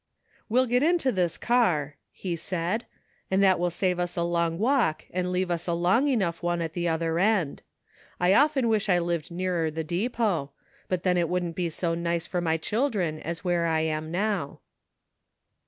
"We'll get into this car," he said, "and that will save us a long walk and leave us a long enough one at the other end. I often wish I lived nearer the depot, but then it wouldn't be so nice for my children as where I am now."